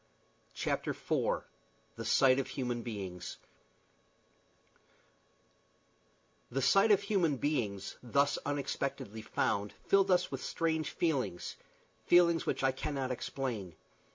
CHAPTER IV THE SIGHT OF HUMAN BEINGS The sight of human beings, thus unexpectedly found, filled us with strange feelings feelings which I cannot explain.